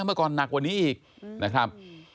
เมื่อก่อนหนักกว่านี้อีกนะครับ